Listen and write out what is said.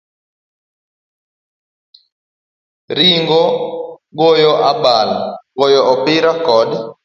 Ringo, goyo abal, goyo opira, kod